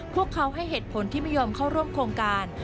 พวกเขาให้เหตุผลที่ไม่ยอมเข้าร่วมโครงการ